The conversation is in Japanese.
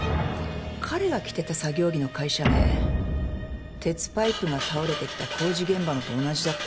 彼が着てた作業着の会社名鉄パイプが倒れてきた工事現場のと同じだった。